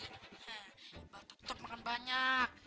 iqbal tetep makan banyak